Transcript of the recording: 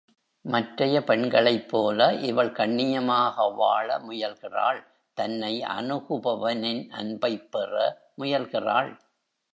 மற்றைய பெண்களைப் போல இவள் கண்ணியமாக வாழ முயல்கிறாள் தன்னை அணுகுபவனின் அன்பைப் பெற முயல்கிறாள்.